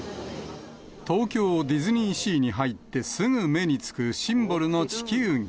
東京ディズニーシーに入ってすぐ目に付くシンボルの地球儀。